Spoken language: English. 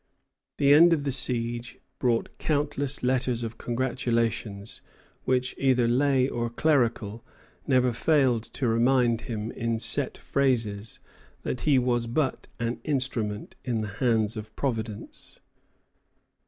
The end of the siege brought countless letters of congratulation, which, whether lay or clerical, never failed to remind him, in set phrases, that he was but an instrument in the hands of Providence.